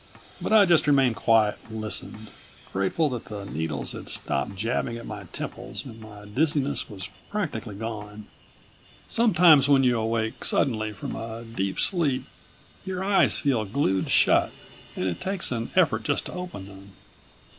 But I just remained quiet and listened, grateful that the needles had stopped jabbing at my temples and my dizziness was practically gone. Sometimes when you awake suddenly from a deep sleep your eyes feel glued shut, and it takes an effort just to open them.